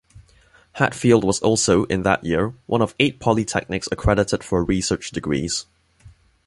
Hatfield was also, in that year, one of eight polytechnics accredited for research degrees.